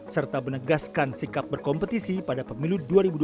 serta menegaskan sikap berkompetisi pada pemilu dua ribu dua puluh